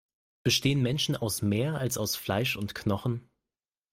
Bestehen Menschen aus mehr, als aus Fleisch und Knochen?